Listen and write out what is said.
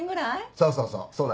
そうそうそうそうだな。